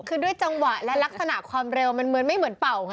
คือด้วยจังหวะและลักษณะความเร็วมันเหมือนไม่เหมือนเป่าไง